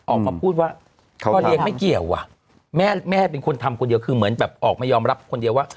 ออกมาพูดว่าพ่อเลี้ยงไม่เกี่ยวอ่ะแม่เป็นคนทำคนเดียวคือเหมือนแบบออกมายอมรับคนเดียวว่า